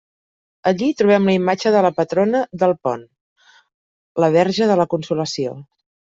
Allí trobem la imatge de la patrona d'Alpont: la Verge de la Consolació.